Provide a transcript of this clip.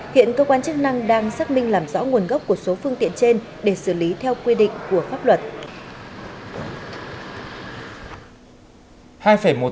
hiện cơ quan chức năng đang xác minh làm rõ nguồn gốc của số phương tiện trên để xử lý theo quy định của pháp luật